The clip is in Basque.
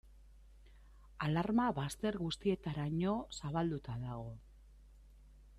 Alarma bazter guztietaraino zabalduta dago.